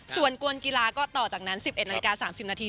ส่วนกวนกีฬาก็ต่อจากนั้น๑๑นาฬิกา๓๐นาที